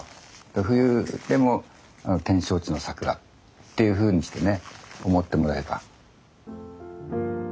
で冬でも展勝地の桜っていうふうにしてね思ってもらえば。